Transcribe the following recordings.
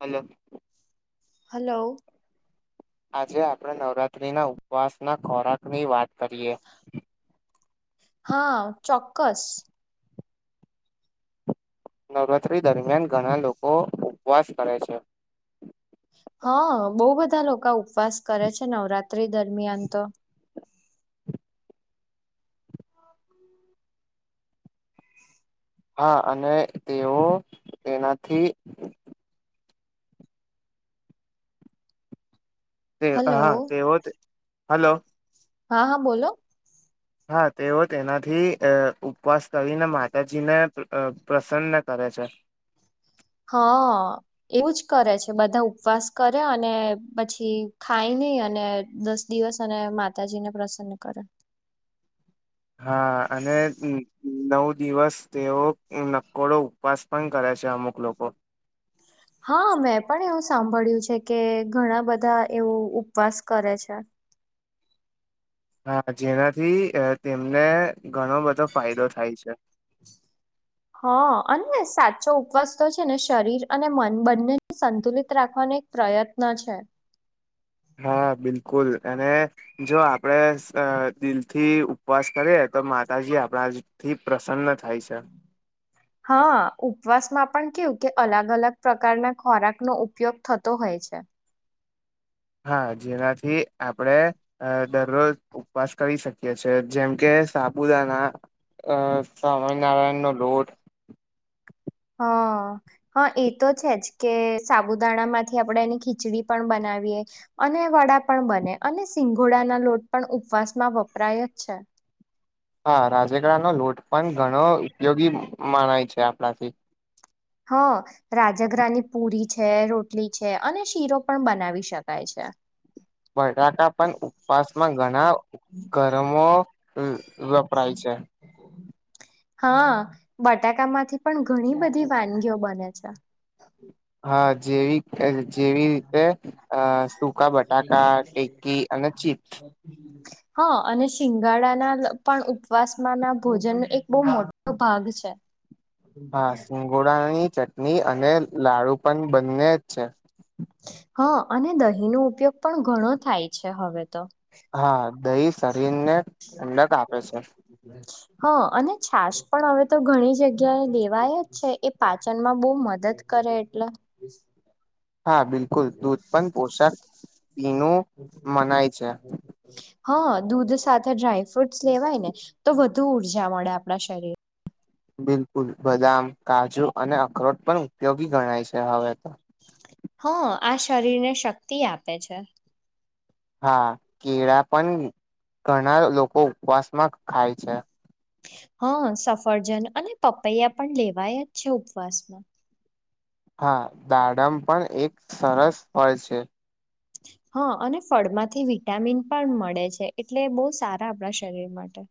Hello hello આજે આપણે નવરાત્રી ના ઉપવાસ ના ખોરાક ની વાત કરીએ હા ચોક્કસ નવરાત્રી દરમિયાન ઘણા લોકો ઉપવાસ કરે છે હા બહુ બધા લોકો ઉપવાસ કરે છે નવરાત્રી દરમિયાન તો હા અને તેઓ તેનાથી. તે હલો હા તેવો હલો હા હા બોલો હા તેઓ તેનાથી ઉપવાસ કરીને માતાજીને પ્રસન્ન કરે સાછ હા એવું જ કરે છે બધા ઉપવાસ કરે અને પછી ખાઈને નઈ અને દસ દિવસ અને માતાજીને પ્રસન્ન કરે હા અને નવ દિવસ તેઓ નકોડો ઉપવાસ પણ કરે છે અમુક લોકો હા મેં પણ એવું સાંભળ્યું છે કે ઘણા બધા એવું ઉપવાસ કરે છે હા જેનાથી તેમને ઘણો બધો ફાયદો થાય છે હ અને સાચો ઉપવાસ તો છે ને શરીર અને મન બંને સંતુલિત રાખવાની. એક પ્રયત્ન છે હા બિલકુલ અને જો આપડે દિલથી ઉપવાસ કરીએ તો માતાજી આપણા થી પ્રસન્ન થાય છે હા ઉપવાસ માં પણ કેવું કે અલગ અલગ પ્રકારના ખોરાકનોો ઉપયોગ થતો હોય છે હા જેનાથી આપડે દરરોજ ઉપવાસ કરી શકીએ છેએ જેમ કે સાપુદાના સ્વામિનારાયણ નો લોટ હ હા એ તો છે જ કે સાબુદાણા માંથી આપણેે એની ખીચડી પણ બનાવી વી અને વડા પણ બને અને સિઘોડા ના લોટ પણ ઉપવાસ માં વપરાય જ છે [inaudible] હા રાજગડા નો લોટ પણ ઘણો ઉપયોગી મણાય છે આપણાથી હ રાજઘરાની પુરી છે રોટલી છે અને શીરો પણ બનાવી શકાય છે [inaudible] બટાટા પણ ઉપવાસમાં ઘણા ગરમો હમ વપરાય છે હા બટાકા માંથી પણ ઘણી બધી વાનગીઓ બને છે હા જેવી જેવી રીતે અ સૂકા બટાકા ટેકી અને ચિપ્સ હા ગાળાના પણ ઉપવાસમાં ના ભોજનનો એક બઉ મોટો ભાગ છે હા સિંગોડાની ચટણી અને લાડુ પણ બંને જ છે હા અને દહીં નો ઉપયોગ પણ ઘણો થાય છે હવે તો હા દહી સ હ અને છાસ પણ હવે તો ઘણી જગ્યાએ દેવાય જ છે એ પાચનમાં બહુ મદદ કરે એટલે હા બિલકુલ દૂધ પણ પોશાક પીનું મનાય છે હા દૂધ સાથે ડ્રાયફ્રુટસ લેવાય ને તો વધુ ઉર્જા મળે આપણા શરીર બિલકુલ બદામ કાજુ અને અખરોટ પણ ઉપયોગી ગણાય છે હવે તો હ આ શરીરને શક્તિ આપે છે હા કેળા પણ ઘણા લોકો ઉપવાસ માં ખાય છે હા સફરજન અને પપૈયા પણ લેવાયા જ છે ઉપવાસમાં હા દાડમ પણ એક સરસ ફળ છે હા અને ફળમાંથી વિટામિન પણ મળે છે એટલે બહુ સારા આપણા શરીર માટે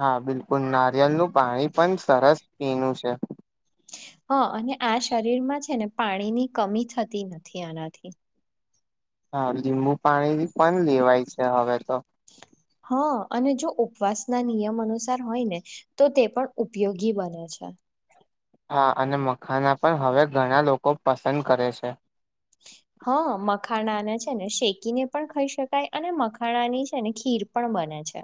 હા બિલકુલ એનું છે હા અને આ શરીરમાં છે ને પાણીની કમી થતી નથી આનાથી હા લીંબુ પાણી પણ લેવાય છે હવે તો હા અને જો ઉપવાસ ના નિયમ અનુસાર હોય ને તો તે પણ ઉપયોગી બને છે હા અને મખાના પણ હવે ઘણા લોકો પસંદ કરે છે [inaudible] હા મખાણાના છે ને શેકીને પણ ખાઈ શકાય અને મખાણાની છે ને ખીર પણ બને ને છે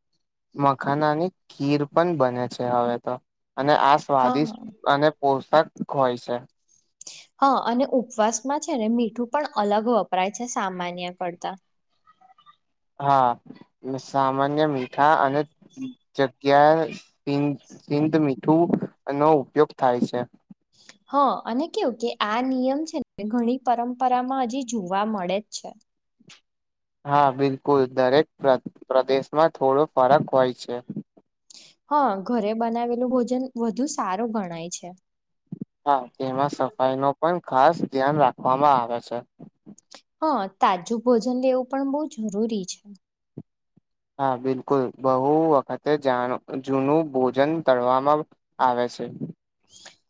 [inaudible] મખાનાની ખીર પણ બને છે હવે તો અને આ હા સ્વાદિષ્ટ અને પોશક હોય છે હા અને ઉપવાસમાં છે ને મીઠું પણ અલગ વપરાય છે સામાન્ય કરતા હા સામાન્ય મીઠા અને જગ્યાએ ઈ સિંધ મીઠું નો ઉપયોગ થાય છે હા અને કેવું કે આ નિયમ છે ને ઘણી પરંપરામાં હજી જોવા મળે જ છે હા બિલકુલ દરેક પ્ર પ્રદેશમાં થોડો ફરક હોય છે હા ઘરે બનાવેલું ભોજન વધુ સારું ગણાય છે હા તેમાં સફાઈનો પણ ખાસ ધ્યાન રાખવામાં આવે છે હા તાજું ભોજન લેવું પણ બહુ જરૂરી છે હા બિલકુલ બહુ વખતે જાણ જૂનું ભોજન તડવામાં આવે છે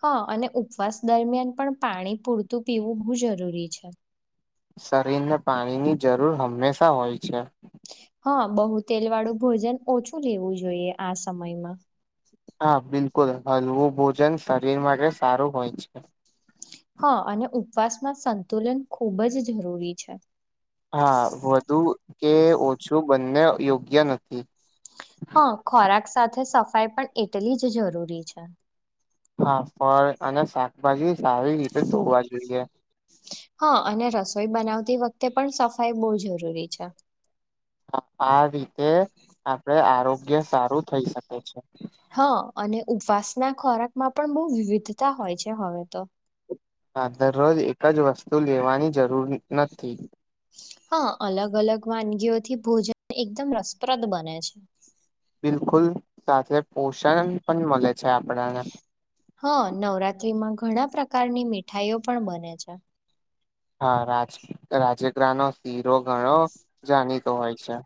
હા અને ઉપવાસ દરમિયાન પણ પાણી પૂરતું પીવું બહુ જરૂરી છે શરીર ને પાણીની જરૂર હંમેશા હોય છે હા બહુ તેલ વાળું ભોજન ઓછું લેવું જોઈએ આ સમયમાં. હા બિલકુલ હલવું ભોજન શરીર માટે સારું હોય છે. હા અને ઉપવાસમાં સંતુલન ખૂબ જ જરૂરી છે. હા વધુ કે ઓછું બંને યોગ્ય નથી. હા ખોરાક સાથે સફાઈ પણ એટલી જ જરૂરી છે. હા ફળ અને શાકભાજી સારી રીતે ધોવા જોઈએ. હા અને રસોઈ બનાવતી વખતે પણ સફાઈ બહુ જરૂરી છે. આ રીતે આપણે આરોગ્ય સારું થઈ શકે છે. હા અને ઉપવાસના ખોરાકમાં પણ બહુ વિવિધતા હોય છે હવે તો. હા દરરોજ એક જ વસ્તુ લેવાની જરૂર નથી હા અલગ અલગ વાનગીઓથી ભોજન એકદમ રસપ્રદ બને છે બિલકુલ સાથે પોષણ પણ મળે છે આપણને હા નવરાત્રીમાં ઘણા પ્રકારની મીઠાઈઓ પણ બને છે. હા રાજ રાજગરાનો સીરો ઘણો જાણીતો હોય છે.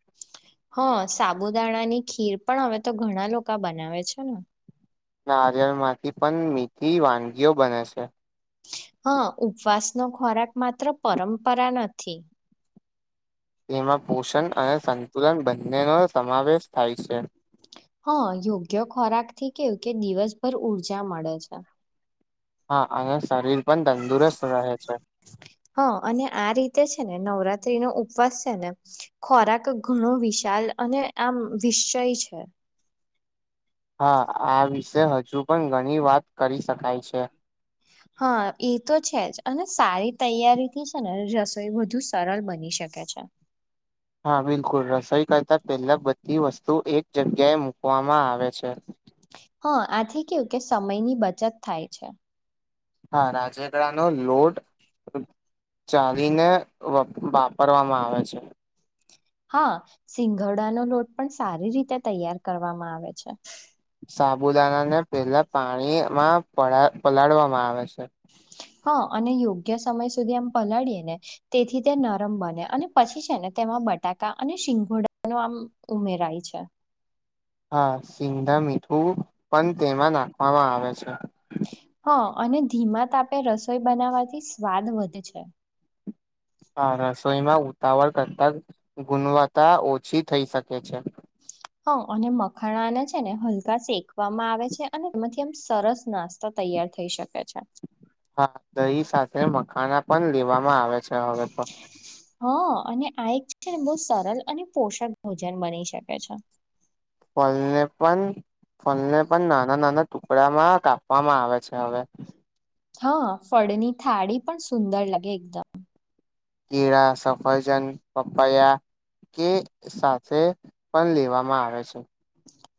હા સાબુદાણાની ખીર પણ હવે તો ઘણા લોકો બનાવે છે ને. નારિયળમાંથી પણ મીઠી વાનગીઓ બને છે. હા ઉપવાસનો ખોરાક માત્ર પરંપરા નથી તેમાં પોષણ અને સંતુલન બંનેનો સમાવેશ થાય છે હા યોગ્ય ખોરાક થી કેવું કે દિવસભર ઊર્જા મળે છે હા અને શરીર પણ તંદુરસ્ત રહે છે હા અને આ રીતે છે ને નવરાત્રી નો ઉપવાસ છે ને ખોરાક ઘણો વિશાલ અને આમ વિશ્ચય છે હા આ વિશે હજુ પણ ઘણી વાત કરી શકાય છે. હા એ તો છે જ અને સારી તૈયારી થી છે ને રસોઈ વધુ સરળ બની શકે છે. [inaudible] હા બિલકુલ રસોઈ કરતા પહેલા બધી વસ્તુ એક જગ્યાએ મુકવામાં આવે છે. હા આથી કેવું કે સમયની બચત થાય છે. હા રાજેગરાનો લોટ ચાડીને વાપરવામાં આવે છે. હા સિંગડાનો લોટ પણ સારી રીતે તૈયાર કરવામાં આવે છે. સાબુદાણાને પહેલા પાણીમાં પડા પલાળવામાં આવે છે. હા અને યોગ્ય સમય સુધી એમ પલાળીએ ને તેથી તે નરમ બને અને પછી છે ને બટાકા અને શિંગોડાનો આમ ઉમેરાય છે. હા સિંધવ મીઠું પણ તેમાં નાખવામાં આવે છે. હ અને ધીમા તાપે રસોઈ બનાવવાથી સ્વાદ વધે છે હા રસોઈમાં ઉતાવળ કરતા ગુણવત્તા ઓછી થઈ શકે છે હ અને મખાણાને છે ને હલકા શેકવામાં આવે છે અને એમાંથી આમ સરસ નાસ્તો તૈયાર થઈ શકે છે. હા દહી સાથે માખણાં પણ લેવામાં આવે છે હવે તો. હ અને આ એક છે ને બઉ સરળ અને પોષક ભોજન બની શકે છે. ફલને પણ ફલને પણ નાના-નાના ટુકડામાં કાપવામાં આવે છે. ને હવે. હા ફળની થાળી પણ સુંદર લગે એકદમ. કેળા, સફરજન, પપૈયાં. કે સાથે પણ લેવામાં આવે છે.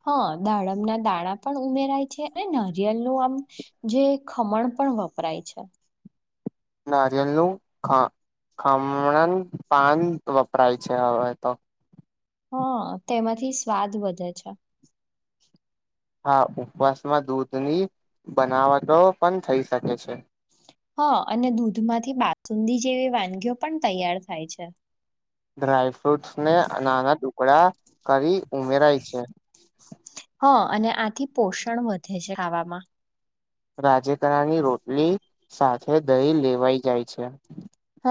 હા દાડમના દાણા પણ ઉમેરાય છે અને નારિયેળનું આમ જે ખમણ પણ વપરાય છે. નારિયેલનું ખ ખમણન પાન વપરાય છે હવે તો. હા તેમાંથી સ્વાદ વધે છે. હા ઉપવાસમાં દૂધની બનાવટો પણ થઈ શકે છે. હા અને દૂધમાંથી બાસુંદી જેવી વાનગીઓ પણ તૈયાર થાય છે. ડ્રાયફ્રૂટસ ને નાના ટુકડા કરી ઉમેરાય છે. હા અને આથી પોષણ વધે છે ખાવામાં. રાજે તરાની રોટલી સાથે દહી લેવાઈ જાય છે.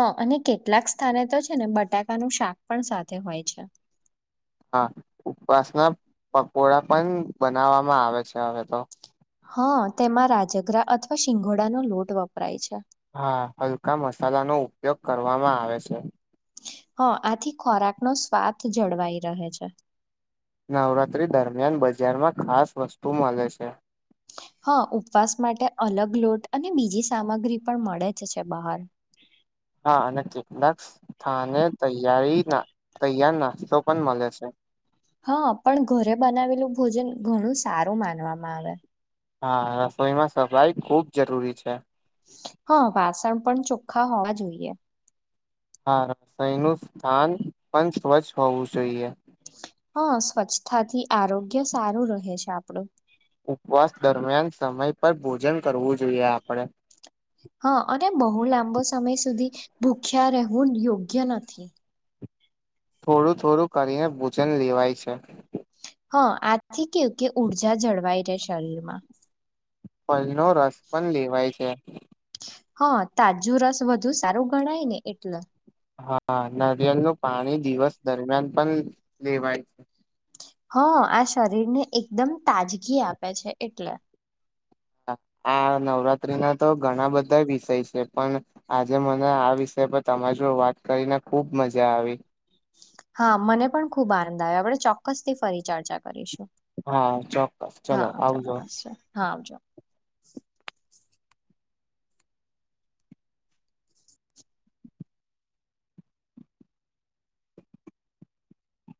હ અને કેટલાક સ્થાને તો છે ને બટાકાનું શાક પણ સાથે હોય છે. હા ઉપવાસના પકોડા પણ બનાવવામાં આવે છે હવે તો. હા તેમાં રાજગરા અથવા શિંગોડાનો લોટ વપરાય છે. હા હલકા મસાલાનો‌ ઉપયોગ કરવામાં આવે છે. હ આથી ખોરાકનો સ્વાથ જળવાઈ રહે છે. નવરાત્રી દરમિયાન બજારમાં ખાસ વસ્તુ મલે છે. હા ઉપવાસ માટે અલગ લોટ અને બીજી સામગ્રી પણ મળે જ છે બહાર. હા અને કેટલાક સ્થાને તૈયારીના તૈયાર નાસ્તો પણ મલે છે. હા પણ ઘરે બનાવેલું ભોજન ઘણું સારું માનવામાં આવે. હા રસોઈમાં સફાઈ ખુબ જરૂરી છે. હા વાસણ પણ ચોખ્ખા હોવા જોઈએ. હા સનું સ્થાન પણ સ્વચ્છ હોવું જોઈએ. હા સ્વચ્છતાથી આરોગ્ય સારું રહે છે આપણું ઉપવાસ દરમિયાન સમય પર ભોજન કરવું જોઈએ આપણેે હા અને બહુ લાંબો સમય સુધી ભૂખ્યા રહેવું યોગ્ય નથી. થોડું થોડું કરીને ભોજન લેવાય છે. હા આજથી કેવું કે ઉર્જા જળવાઈ રહેે શરીરમાં ફલનો રસ પણ લેવાય છે. હા તાજું રસ વધુ સારું ગણાય ને એટલે હા નારિયળ નું પાણી દિવસ દરમિયાન પણ લેવાય હા આ શરીરને એકદમ તાજગી આપે છે એટલે આ નવરાત્રીના તો ઘણા બધા વિષય છે પણ આજે મને આ વિષય પર તમારી જો વાત કરીને ખુબ મજા આવી. હા મને પણ ખુબ આનંદ આવ્યો આપણે ચોક્કસ થી ફરી ચર્ચા કરીશું. હા ચોક્કસ ચલો હા આવજો ચોક્કસ છે હા આવજો